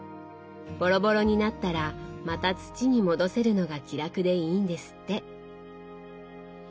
ボロボロになったらまた土に戻せるのが気楽でいいんですって。